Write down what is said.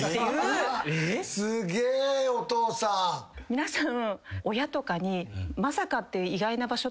皆さん。